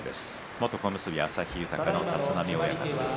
元小結旭豊の立浪親方です。